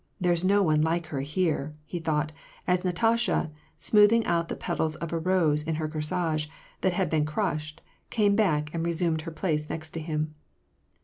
There's no one like her here !" he thought, as Natasha, smoothing out the petals of a rose in her corsage, that had been crushed, came back and resumed her place next him.